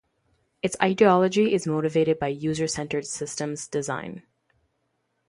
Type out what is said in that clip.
Its ideology is motivated by user-centered systems design.